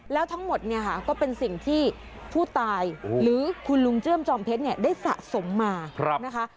แล้วทั้งหมดเนี่ยค่ะก็เป็นสิ่งที่ผู้ตายหรือคุณลุงเจื้อมจอมเพชรเนี่ยได้สะสมมานะคะ